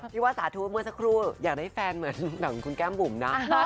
ที่ว่าสาธุเมื่อสักครู่อยากได้แฟนเหมือนคุณแก้มบุ๋มนะ